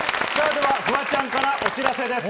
では、フワちゃんからお知らせです。